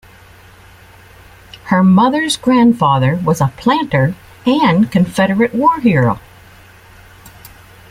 Her mother's grandfather was a planter and Confederate war hero.